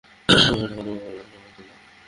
তোমরা এক বছরে, টাকা জমা করার সময় তো দাও।